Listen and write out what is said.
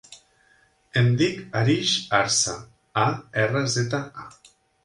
Em dic Arij Arza: a, erra, zeta, a.